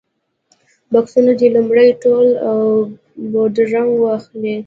بکسونه دې لومړی تول او بورډنګ واخلي.